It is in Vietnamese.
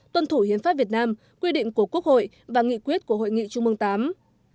tuân thủ hiến pháp việt nam quy định của quốc hội và nghị quyết của hội nghị trung mương viii